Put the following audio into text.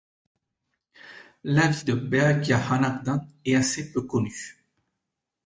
La vie de Berekhya Hanakdan est assez peu connue.